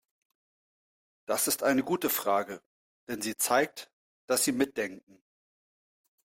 Das ist eine gute Frage, denn sie zeigt, dass Sie mitdenken.